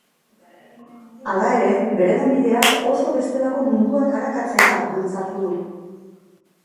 Hala ere, bere lanbideak oso bestelako munduak arakatzera bultzatu du.